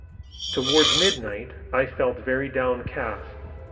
Towards midnight I felt very downcast.